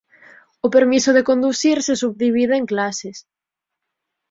O permiso de conducir se subdivide en clases.